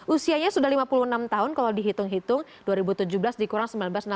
usianya sudah lima puluh enam tahun kalau dihitung hitung dua ribu tujuh belas dikurang seribu sembilan ratus enam puluh